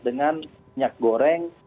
dengan minyak goreng